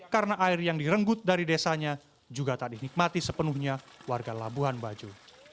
karena air yang direnggut dari desanya juga tak dinikmati sepenuhnya warga labuhan bajo